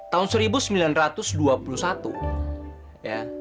tahun seribu sembilan ratus dua puluh satu